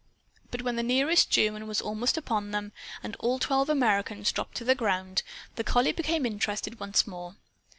But when the nearest German was almost upon them, and all twelve Americans dropped to the ground, the collie became interested once more.